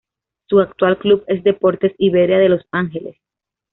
Su actual club es Deportes Iberia de Los Ángeles.